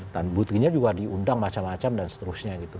dan butirnya juga diundang macam macam dan seterusnya gitu